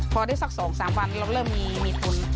พอได้สัก๒๓วันเราเริ่มมีทุน